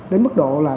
đến mức độ là